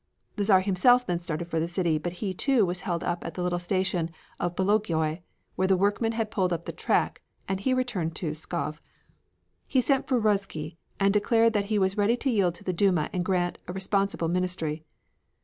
The Czar himself then started for the city, but he, too, was held up at the little station of Bologoi, where workmen had pulled up the track, and he returned to Pskov. He sent for Ruzsky and declared that he was ready to yield to the Duma and grant a responsible ministry.